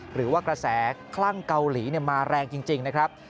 หรือว่ากระแสคลั่งเกาหลีมาแรงจริงนะครับ